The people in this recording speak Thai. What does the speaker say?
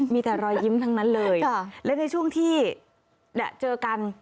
มีแต่รอยยิ้มทั้งนั้นเลยและในช่วงที่เจอกัน